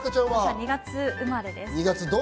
２月生まれです。